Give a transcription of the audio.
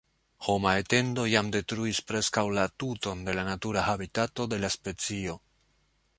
Homa etendo jam detruis preskaŭ la tuton de la natura habitato de la specio.